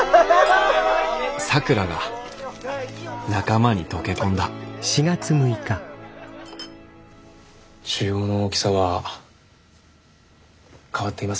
咲良が仲間に溶け込んだ腫瘍の大きさは変わっていませんね。